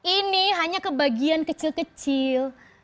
ini hanya kebagian kecil kecil